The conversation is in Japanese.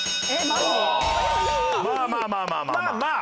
まあまあまあまあまあまあ。